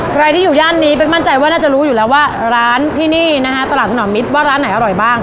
ใครที่อยู่ย่านนี้เป๊กมั่นใจว่าน่าจะรู้อยู่แล้วว่าร้านที่นี่นะฮะตลาดถนอมมิตรว่าร้านไหนอร่อยบ้าง